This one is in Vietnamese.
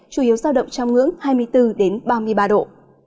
chủ yếu giao động trong ngưỡng hai mươi bốn ba mươi ba độ